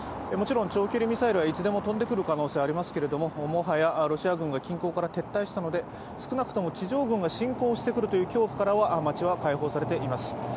もちろん長距離ミサイルはいつでも飛んでくる可能性はありますけどもはやロシア軍が近郊から撤退したので、少なくとも地上軍が侵攻してくるという恐怖から街は開放されています。